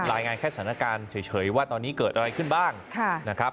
รายงานแค่สถานการณ์เฉยว่าตอนนี้เกิดอะไรขึ้นบ้างนะครับ